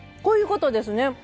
こういうことですね。